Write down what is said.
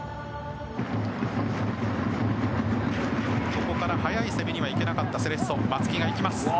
ここから速い攻めにはいけなかったセレッソ松木が行きます。